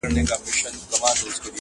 په تیاره کي یې پر زوی باندي نظر سو!.